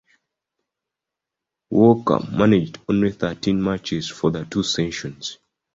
Walker managed only thirteen matches for the two seasons.